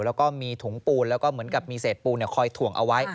แล้วก็มีถุงปูนแล้วก็เหมือนกับมีเศษปูนคอยถ่วงเอาไว้